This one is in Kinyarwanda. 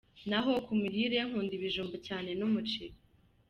Naho ku mirire nkunda ibijumba cyane, n'umuceri.